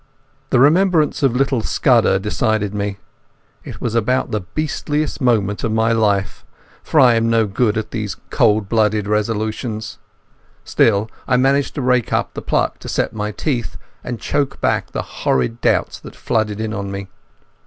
The remembrance of little Scudder decided me. It was about the beastliest moment of my life, for I'm no good at these cold blooded resolutions. Still I managed to rake up the pluck to set my teeth and choke back the horrid doubts that flooded in on me.